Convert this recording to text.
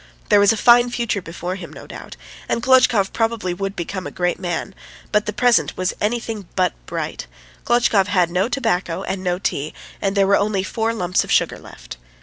There was a fine future before him, no doubt, and Klotchkov probably would become a great man, but the present was anything but bright; Klotchkov had no tobacco and no tea, and there were only four lumps of sugar left.